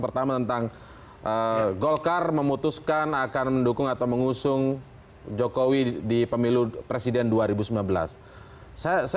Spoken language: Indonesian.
pertama tentang golkar memutuskan akan mendukung atau mengusung jokowi di pemilu presiden dua ribu sembilan belas saya